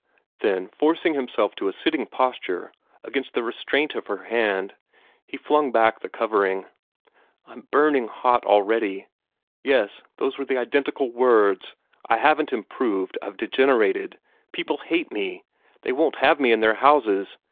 Then, forcing himself to a sitting posture, against the restraint of her hand, he flung back the covering. "I'm burning hot already! Yes, those were the identical words: I haven't improved; I've degenerated. People hate me; they won't have me in their houses.